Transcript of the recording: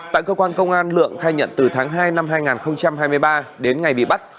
tại cơ quan công an lượng khai nhận từ tháng hai năm hai nghìn hai mươi ba đến ngày bị bắt